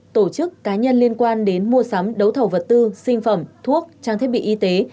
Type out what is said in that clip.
tổ chức cá nhân liên quan đến mua sắm đấu thầu vật tư sinh phẩm thuốc trang thiết bị y tế